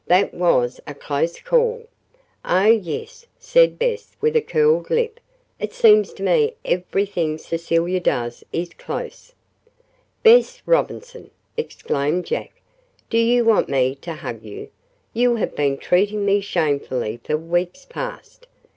That was a close call." "Oh, yes," said Bess with a curled lip. "It seems to me everything Cecilia does is close." "Bess Robinson!" exclaimed Jack. "Do you want me to hug you? You have been treating me shamefully for weeks past.